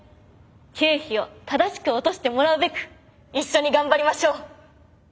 経費を正しく落としてもらうべく一緒に頑張りましょう。